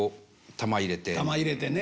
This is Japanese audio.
玉入れてね。